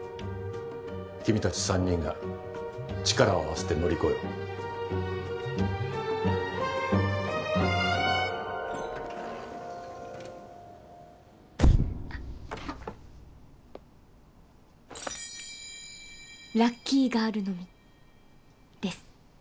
君たち３人が力を合わせて乗り越えろラッキーガール飲みです。